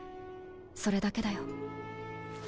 それだけだよ。